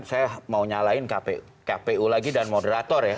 saya mau nyalain kpu lagi dan moderator ya